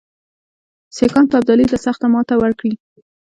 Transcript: سیکهان به ابدالي ته سخته ماته ورکړي.